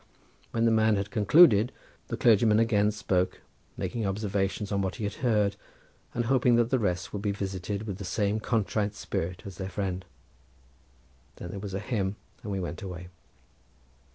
When the man had concluded the clergyman again spoke, making observations on what he had heard and hoping that the rest would be visited with the same contrite spirit as their friend. Then there was a hymn and we went away.